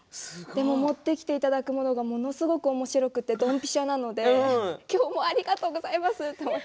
持ってきていただくものがものすごくおもしろくてドンピシャなので今日もありがとうございますって。